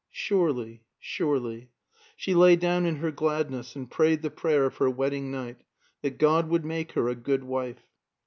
Surely, surely. She lay down in her gladness and prayed the prayer of her wedding night: that God would make her a good wife.